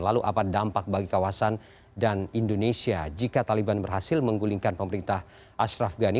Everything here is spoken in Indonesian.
lalu apa dampak bagi kawasan dan indonesia jika taliban berhasil menggulingkan pemerintah ashraf ghani